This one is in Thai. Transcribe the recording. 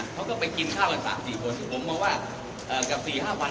เขาก็ไปกินข้าวกัน๓๔คนผมบอกว่ากับ๔๕วันมันไม่ได้มาก